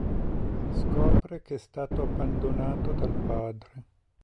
Si scopre che è stato abbandonato dal padre.